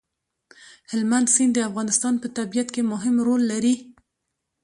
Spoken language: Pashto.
هلمند سیند د افغانستان په طبیعت کې مهم رول لري.